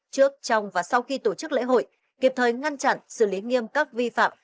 trước trong và sau khi tổ chức lễ hội kịp thời ngăn chặn xử lý nghiêm các vi phạm